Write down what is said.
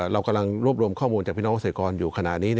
เรากำลังรวบรวมข้อมูลจากพี่น้องเกษตรกรอยู่ขณะนี้